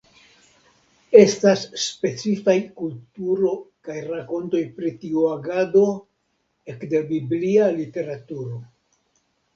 Estas specifaj kulturo kaj rakontoj pri tiu agado ekde biblia literaturo.